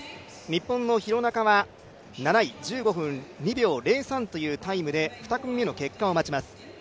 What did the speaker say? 日本の廣中は７位１５分２秒０３というタイムで２組目の結果を待ちます。